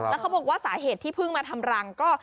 แล้วเขาบอกว่าสาเหตุที่เพิ่งมาทำรังก็